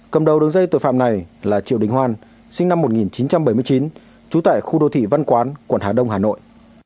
cầm đầu đường dây tội phạm này là triều đình hoan sinh năm một nghìn chín trăm bảy mươi chín trú tại khu đô thị văn quán quận hà đông hà nội